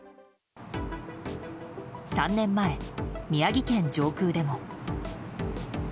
３年前、宮城県上空でも。